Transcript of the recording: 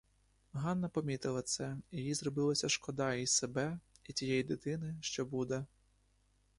Ганна помітила це, і їй зробилося шкода і себе, і тієї дитини, що буде.